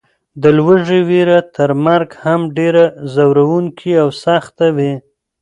د لوږې وېره تر مرګ هم ډېره ځوروونکې او سخته وي.